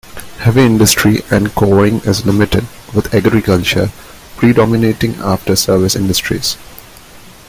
Heavy industry and quarrying is limited, with agriculture predominating after service industries.